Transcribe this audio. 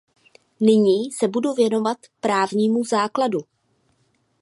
Nyní se budu věnovat právnímu základu.